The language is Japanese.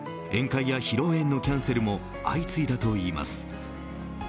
宴会や披露宴のキャンセルも相次いだといいます。